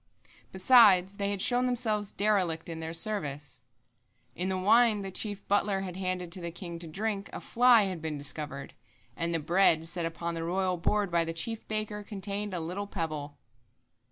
Besides, they had shown themselves derelict in their service. In the wine the chief butler had handed to the king to drink, a fly had been discovered, and the bread set upon the royal board by the chief baker contained a little pebble."